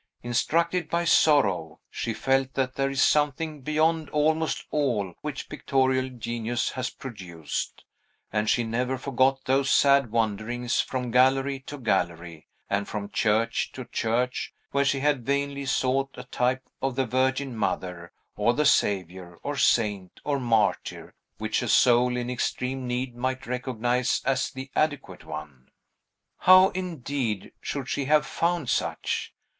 Instructed by sorrow, she felt that there is something beyond almost all which pictorial genius has produced; and she never forgot those sad wanderings from gallery to gallery, and from church to church, where she had vainly sought a type of the Virgin Mother, or the Saviour, or saint, or martyr, which a soul in extreme need might recognize as the adequate one. How, indeed, should she have found such?